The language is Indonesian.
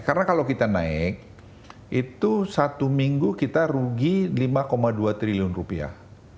karena kalau kita naik itu satu minggu kita rugi lima dua triliun rupiah